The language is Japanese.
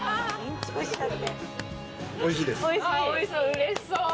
うれしそう。